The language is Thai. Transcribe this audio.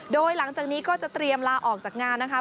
โดยหลังจากนี้ก็จะเตรียมลาออกจากงานนะคะ